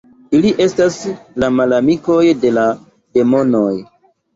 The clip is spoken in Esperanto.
Ili estas la malamikoj de la demonoj.